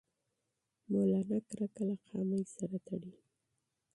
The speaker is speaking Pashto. مولانا تعصب له خامۍ سره تړي